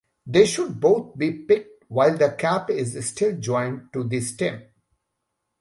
They should both be picked while the cap is still joined to the stem.